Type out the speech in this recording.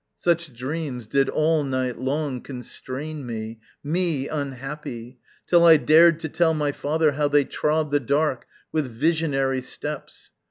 Such dreams did all night long Constrain me me, unhappy! till I dared To tell my father how they trod the dark With visionary steps.